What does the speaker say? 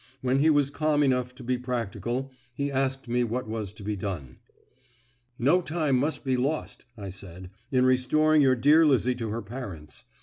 When he was calm enough to be practical, he asked me what was to be done. "No time must be lost," I said, "in restoring your dear Lizzie to her parents.